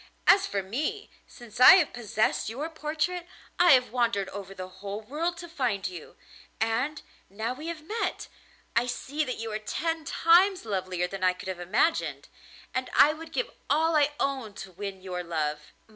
As for me, since I have possessed your portrait I have wandered over the whole world to find you, and, now we have met, I see that you are ten times lovelier than I could have imagined, and I would give all I own to win your love.